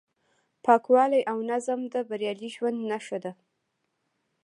پاکوالی او نظم د بریالي ژوند نښه ده.